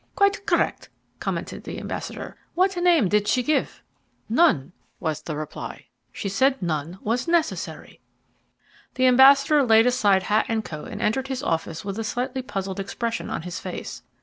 "Quite correct," commented the ambassador. "What name did she give?" "None," was the reply. "She said none was necessary." The ambassador laid aside hat and coat and entered his office with a slightly puzzled expression on his face.